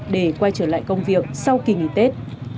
để quay trở lại công việc sau kỳ nghỉ tết